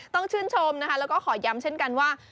ต้องชื่นชมนะคะแล้วก็ขอย้ำเช่นกันว่า